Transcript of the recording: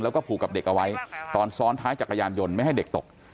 แล้วก็ผูกกับเด็กเอาไว้ตอนซ้อนท้ายจักรยานยนต์ไม่ให้เด็กตก